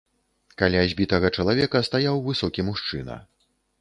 Каля збітага чалавека стаяў высокі мужчына.